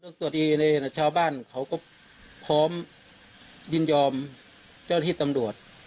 ตัวดีในชาวบ้านเขาก็พร้อมยินยอมเจ้าที่ตำรวจ